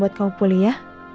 buat kamu pulih ya